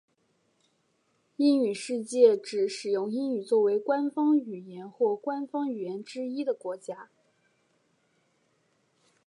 英语世界指使用英语作为官方语言或官方语言之一的国家。